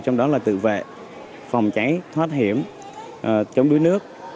trong đó là tự vệ phòng cháy thoát hiểm chống đuối nước